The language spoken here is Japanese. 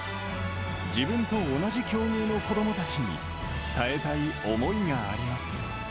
自分と同じ境遇の子どもたちに伝えたい思いがあります。